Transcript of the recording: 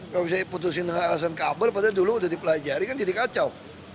kalau bisa diputusin dengan alasan kabel padahal dulu sudah dipelajari kan jadi kacau